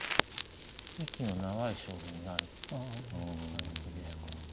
息の長い将棋になる感じですか。